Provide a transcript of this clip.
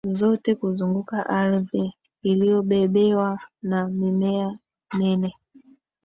zote kuzunguka ardhi iliyobebewa na mimea nene